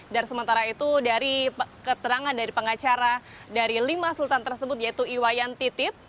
dan sementara itu dari keterangan dari pengacara dari lima sultan tersebut yaitu iwayan titip